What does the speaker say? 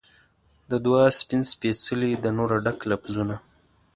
د دعا سپین سپیڅلي د نوره ډک لفظونه